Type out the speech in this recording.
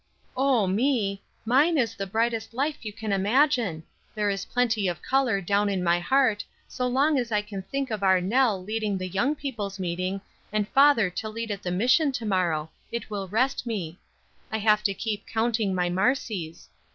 "Oh me, mine is the brightest life you can imagine; there is plenty of color down in my heart so long as I can think of our Nell leading the young people's meeting, and father to lead at the mission to morrow, it will rest me. I have to keep 'counting my marcies.'